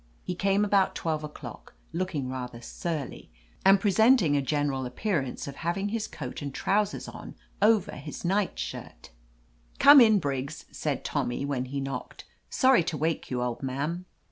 He came about twelve o'clock, looking rather surly, and presenting a general appearance of having his coat and trousers on over his night shirt 89 THE AMAZING ADVENTURES "Come in, Briggs," said Tommy, when he knocked. "Sorry to wake you, old man."